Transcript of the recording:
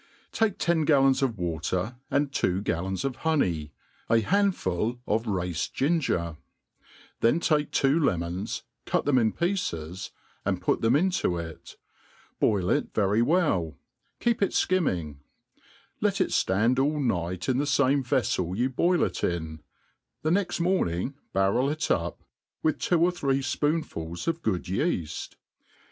TAKE ten gallons of water, and two gallons 6f Honey, ai handful of raced ginger ; then take two lemons^ cut them in |)ieces, and put them into it, boil it very well^ keep it ikim ming ; let it ftand all night in the fame veflel you boil it in, the iiext morning barrel it up, with two or three fpoonfuls of good yeaft.